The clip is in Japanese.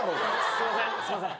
すいませんすいません。